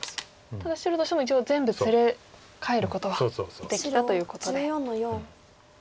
ただ白としても一応全部連れ帰ることはできたということで。